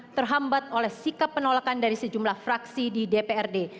terhambat oleh sikap penolakan dari sejumlah fraksi di dprd